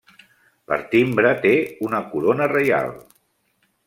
Per timbre té una corona reial.